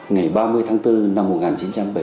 ngày ba mươi tháng bốn năm một nghìn chín trăm chín mươi năm